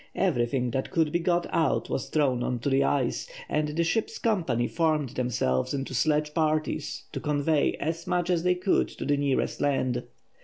Everything that could be got out was thrown on to the ice, and the ship's company formed themselves into sledge parties to convey as much as they could to the nearest land.